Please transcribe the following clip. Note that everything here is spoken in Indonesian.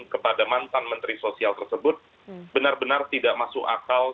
kepada mantan menteri sosial tersebut benar benar tidak masuk akal